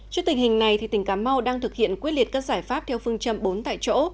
trước tình hình này tỉnh cà mau đang thực hiện quyết liệt các giải pháp theo phương châm bốn tại chỗ